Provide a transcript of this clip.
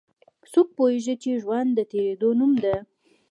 څوک پوهیږي چې ژوند د تیریدو نوم ده